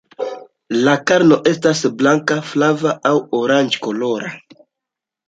La karno estas blanka, flava aŭ oranĝkolora.